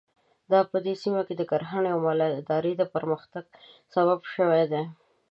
دا په دې سیمه کې د کرنې او مالدارۍ پرمختګ سبب شوي دي.